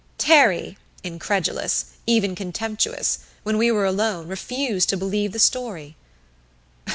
Terry, incredulous, even contemptuous, when we were alone, refused to believe the story.